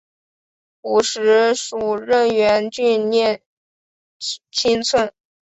古时属荏原郡衾村。